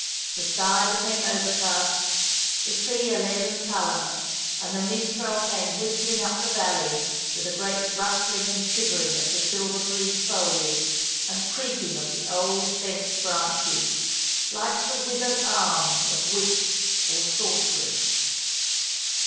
The sky became overcast, the sea a leaden colour ; and the mistral came whistling up the valley with a great rustling and shivering of the silver green foliage and creaking of the old bent branches, like the withered arms of witch or sorceress.